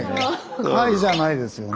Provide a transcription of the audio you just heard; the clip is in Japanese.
貝じゃないですよね。